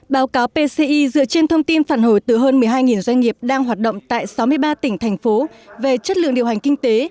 báo cáo pci dựa trên thông tin phản hồi từ hơn một mươi hai doanh nghiệp đang hoạt động tại sáu mươi ba tỉnh thành phố về chất lượng điều hành kinh tế